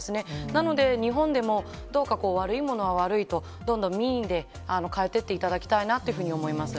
なので日本でもどうか悪いものは悪いと、どんどん民意で変えてっていただきたいなと思います。